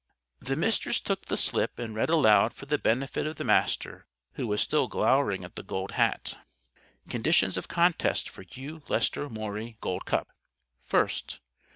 The Mistress took the slip and read aloud for the benefit of the Master who was still glowering at the Gold Hat: "Conditions of Contest for Hugh Lester Maury Gold Cup: "'_First.